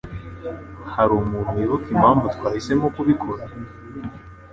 Hari umuntu wibuka impamvu twahisemo kubikora?